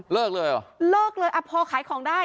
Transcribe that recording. เลยเหรอเลิกเลยอ่ะพอขายของได้